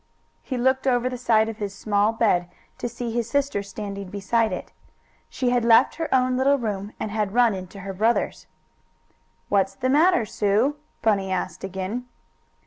He looked over the side of his small bed to see his sister standing beside it. She had left her own little room and had run into her brother's. "What's the matter, Sue?" Bunny asked again.